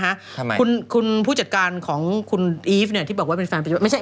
ทำไมคุณผู้จัดการของคุณอีฟที่บอกว่าเป็นแฟนปัจจุบัน